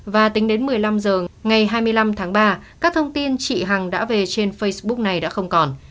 và tính đến một mươi năm h ngày hai mươi năm tháng ba các thông tin chị hằng đã về trên facebook này đã không còn